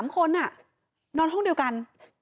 ๓คนนอนห้องเดียวกัน